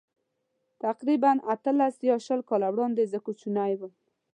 تقریباً اتلس یا شل کاله وړاندې زه کوچنی وم.